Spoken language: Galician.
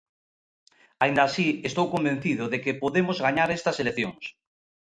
Aínda así, estou convencido de que podemos gañar estas eleccións.